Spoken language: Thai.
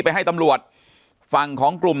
ปากกับภาคภูมิ